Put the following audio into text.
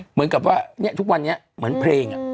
เหมือนกับว่าทุกวันนี้เหมือนเพลง